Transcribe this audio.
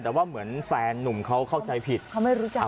แต่ว่าเหมือนแฟนนุ่มเขาเข้าใจผิดเขาไม่รู้จัก